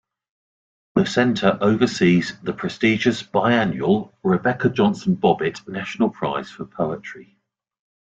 The center oversees the prestigious biannual Rebekah Johnson Bobbitt National Prize for Poetry.